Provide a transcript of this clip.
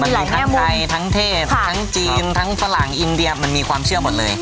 ทั้งไทยทั้งเทพทั้งจีนทั้งฝรั่งอินเดียมันมีความเชื่อหมดเลย